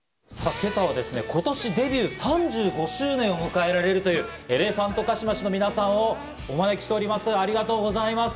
今朝はですね今年デビュー３５周年を迎えられるというエレファントカシマシの皆さんをお招きしております、ありがとうございます。